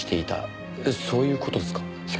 そういう事ですか？